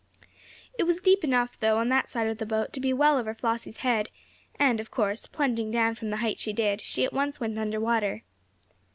It was deep enough though, on that side of the boat, to be well over Flossie's head, and of course, plunging down from the height she did, she at once went under water.